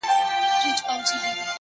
د مسجد لوري!! د مندر او کلیسا لوري!!